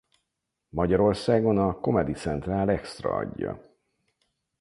Magyarországon a Comedy Central Extra adja.